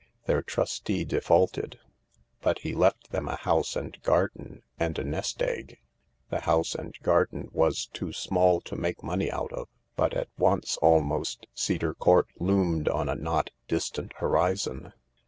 Their trustee defaulted : but he left them a house and garden and a nest THE LARK 251 egg. The house and garden was too small to make money out of : but at once, almost, Cedar Court loomed on a not distant horizon.